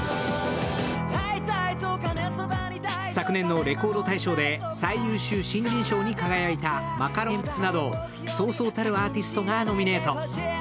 昨年の「レコード大賞」で最優秀新人賞に輝いたマカロニえんぴつなどそうそうたるアーティストがノミネート。